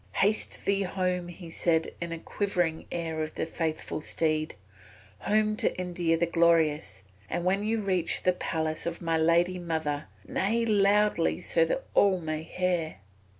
"Haste thee home," he said in the quivering ear of the faithful steed, "home to India the Glorious, and when you reach the palace of my lady mother neigh loudly so that all may hear."